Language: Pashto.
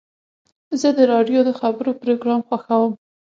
زه د راډیو د خبرو پروګرام خوښوم.